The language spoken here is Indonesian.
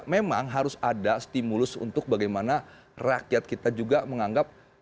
memang harus ada stimulus untuk bagaimana rakyat kita juga menganggap